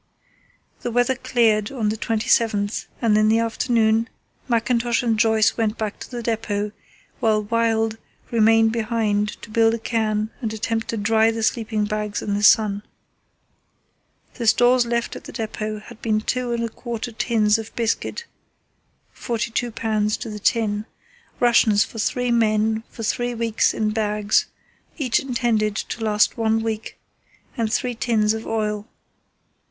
The weather cleared on the 27th, and in the afternoon Mackintosh and Joyce went back to the depot, while Wild remained behind to build a cairn and attempt to dry the sleeping bags in the sun. The stores left at the depot had been two and a quarter tins of biscuit (42 lbs. to the tin), rations for three men for three weeks in bags, each intended to last one week, and three tins of oil.